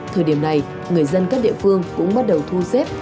thời điểm này người dân các địa phương cũng bắt đầu thu xếp